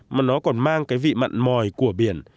mà nó còn mang cái vị mặn mòi của biển